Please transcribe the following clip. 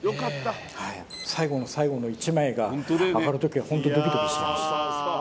はい最後の最後の１枚があがる時はホントにドキドキしてました